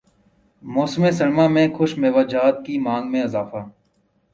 موسم سرما میں خشک میوہ جات کی مانگ میں اضافہ